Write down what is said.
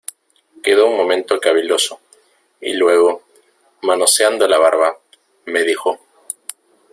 quedó un momento caviloso, y luego , manoseando la barba , me dijo: